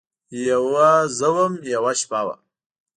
یوه زه وم، یوه شپه وه